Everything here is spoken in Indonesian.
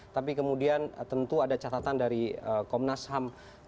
tapi kemudian tentu ada catatan dari komnas ham